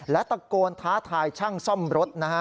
และตะโกนท้าทายช่างซ่อมรถนะฮะ